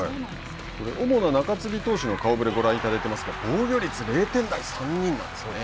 これ主な中継ぎ投手の顔ぶれをご覧いただいていますが防御率０点台３人なんですよね。